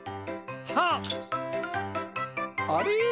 あれ？